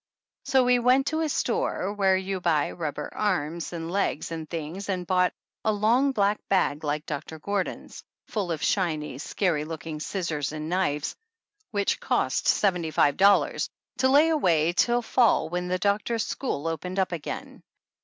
So he went to a store where you buy rubber arms and legs and things and bought a long black bag like Doctor Gordon's, full of shiny, scary looking scissors and knives which cost seventy five dollars, to lay away till fall when the doc tor's school opened up again.